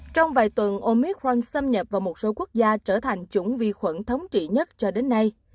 trong vài tuần omic ron xâm nhập vào một số quốc gia trở thành chủng vi khuẩn thống trị nhất cho đến nay